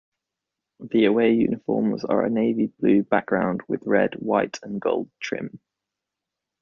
The away uniforms are a navy blue background, with red, white & gold trim.